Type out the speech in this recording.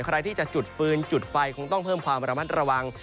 ใครที่จะจุดฟืนจุดไฟคงต้องเพิ่มความระมัดระวัง